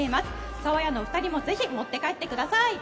サワヤンのお二人もぜひ持って帰ってください！